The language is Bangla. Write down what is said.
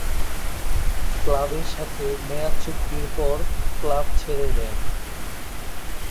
ক্লাবের সাথে মেয়াদ চুক্তির পর ক্লাব ছেড়ে দেন।